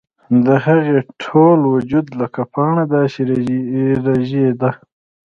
د هغې ټول وجود لکه پاڼه داسې رېږدېده